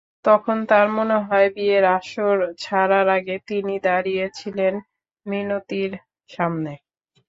তখন তাঁর মনে হয়, বিয়ের আসর ছাড়ার আগে তিনি দাঁড়িয়েছিলেন মিনতির সামনে।